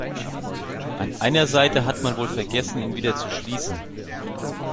An einer Seite hat man wohl vergessen, ihn wieder zu schließen.